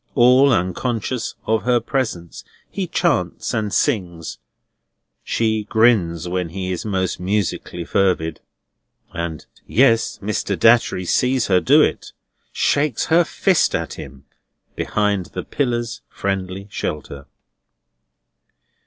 All unconscious of her presence, he chants and sings. She grins when he is most musically fervid, and—yes, Mr. Datchery sees her do it!—shakes her fist at him behind the pillar's friendly shelter.